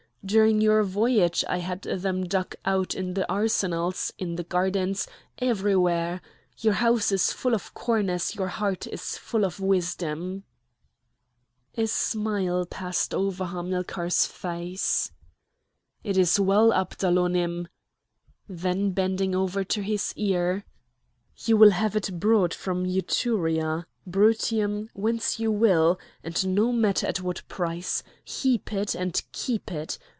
During your voyage I had them dug out in the arsenals, in the gardens, everywhere! your house is full of corn as your heart is full of wisdom." A smile passed over Hamilcar's face. "It is well, Abdalonim!" Then bending over to his ear: "You will have it brought from Etruria, Brutium, whence you will, and no matter at what price! Heap it and keep it!